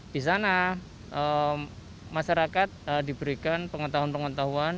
di sana masyarakat diberikan pengetahuan pengetahuan